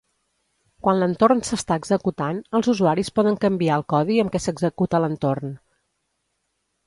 Quan l'entorn s'està executant, els usuaris poden canviar el codi amb què s'executa l'entorn.